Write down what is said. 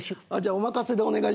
お任せでお願いします。